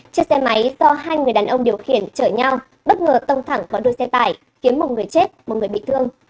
chiếc xe máy do hai người đàn ông điều khiển chở nhau bất ngờ tông thẳng vào đuôi xe tải khiến một người chết một người bị thương